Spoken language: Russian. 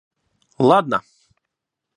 Ладно!